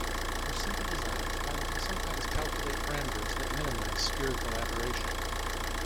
For simple designs one can sometimes calculate parameters that minimize spherical aberration.